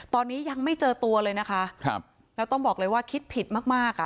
ตอนนี้ยังไม่เจอตัวเลยนะคะครับแล้วต้องบอกเลยว่าคิดผิดมากมากอ่ะ